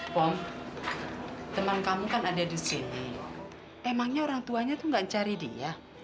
pom teman kamu kan ada di sini emangnya orang tuanya tuh gak cari dia